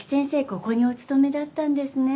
ここにお勤めだったんですね。